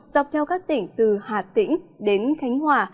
dọc theo các tỉnh từ hà tĩnh đến khánh hòa